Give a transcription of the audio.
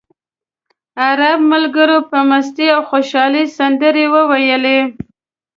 عرب ملګرو په مستۍ او خوشالۍ سندرې وویلې.